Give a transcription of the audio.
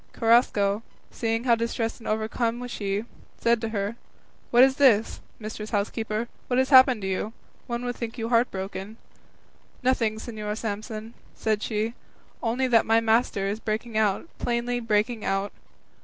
Carrasco, seeing how distressed and overcome she was, said to her, "What is this, mistress housekeeper? What has happened to you? One would think you heart broken." "Nothing, Señor Samson," said she, "only that my master is breaking out, plainly breaking out."